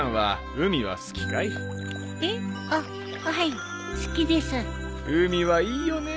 海はいいよね。